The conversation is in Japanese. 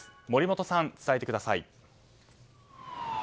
森元さん、伝えてください。